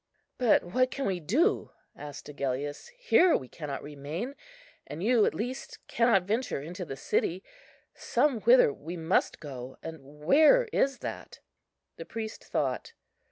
"But what can we do?" asked Agellius; "here we cannot remain, and you at least cannot venture into the city. Somewhither we must go, and where is that?" The priest thought.